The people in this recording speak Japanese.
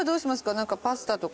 何かパスタとか？